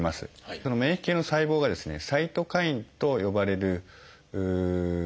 その免疫系の細胞がですね「サイトカイン」と呼ばれる物質をですね